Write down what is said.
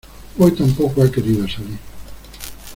Hoy tampoco ha querido salir.